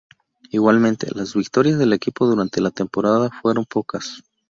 Igualmente, las victorias del equipo durante la temporada fueron pocas.